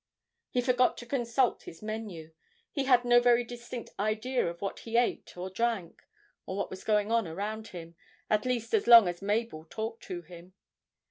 He forgot to consult his menu; he had no very distinct idea of what he ate or drank, or what was going on around him, at least as long as Mabel talked to him.